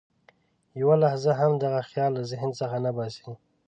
یوه لحظه هم دغه خیال له ذهن څخه نه باسي.